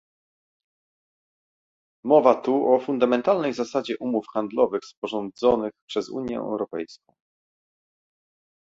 Mowa tu o fundamentalnej zasadzie umów handlowych sporządzonych przez Unię Europejską